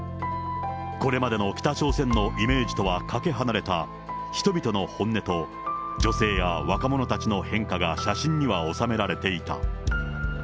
これまでの北朝鮮のイメージとはかけ離れた、人々の本音と、女性や若者たちの変化が写真には収められていた。